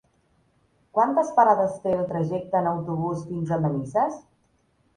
Quantes parades té el trajecte en autobús fins a Manises?